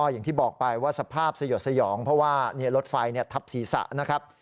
อย่างที่บอกไปว่าสภาพสยดสยองเพราะว่ารถไฟทับศีรษะนะครับ